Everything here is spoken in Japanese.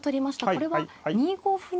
これは２五歩に。